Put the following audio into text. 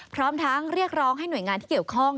พร้อมทั้งเรียกร้องให้หน่วยงานที่เกี่ยวข้อง